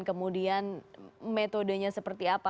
kemudian metodenya seperti apa